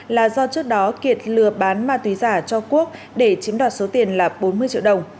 là do trước đó kiệt lừa bán ma túy giả cho quốc để chiếm đoạt số tiền là bốn mươi triệu đồng